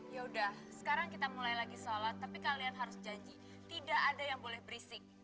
ya udah sekarang kita mulai lagi sholat tapi kalian harus janji tidak ada yang boleh berisik